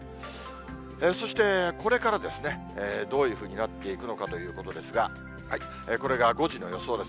そしてこれからですね、どういうふうになっていくのかということですが、これが５時の予想です。